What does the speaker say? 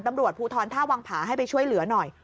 ตำรวจภูทรท่าวังผาให้ไปช่วยเหลือหน่อย